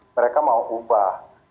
mereka mau ubah